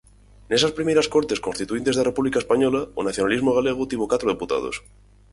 Nesas primeiras cortes constituíntes da República española, o nacionalismo galego tivo catro deputados.